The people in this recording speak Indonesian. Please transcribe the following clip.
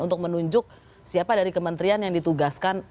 untuk menunjuk siapa dari kementerian yang ditugaskan